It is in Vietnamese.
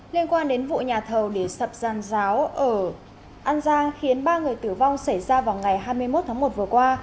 liên quan đến vụ nhà thầu để sập giàn giáo ở an giang khiến ba người tử vong xảy ra vào ngày hai mươi một tháng một vừa qua